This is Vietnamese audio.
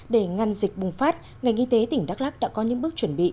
để ngăn dịch bùng phát ngành y tế tỉnh đắk lắc đã có những bước chuẩn bị